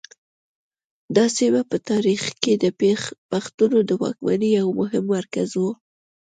دا سیمه په تاریخ کې د پښتنو د واکمنۍ یو مهم مرکز و